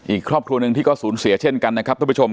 อีกครอบครัวหนึ่งที่ก็สูญเสียเช่นกันนะครับทุกผู้ชม